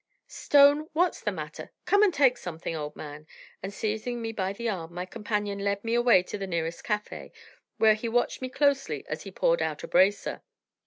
"Stone, what's the matter? Come and take something, old man" and seizing me by the arm, my companion led me away to the nearest café, where he watched me closely as he poured out a bracer.